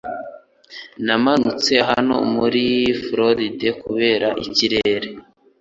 Namanutse hano muri Floride kubera ikirere .